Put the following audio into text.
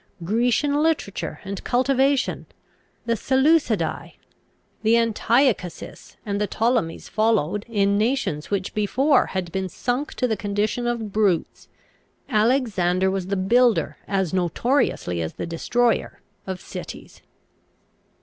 Grecian literature and cultivation, the Seleucidae, the Antiochuses, and the Ptolemies followed, in nations which before had been sunk to the condition of brutes. Alexander was the builder, as notoriously as the destroyer, of cities."